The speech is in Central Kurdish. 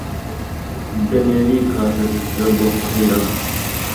دەنێری کاسە سفرە بۆ فەقیران